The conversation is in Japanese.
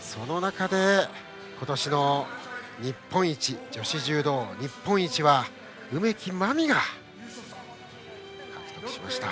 その中で今年の女子柔道の日本一は梅木真美が獲得しました。